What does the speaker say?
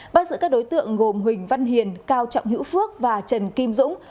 bắt giữ các đối tượng gồm huỳnh văn hiền cao trọng hữu phước và trần kim dũng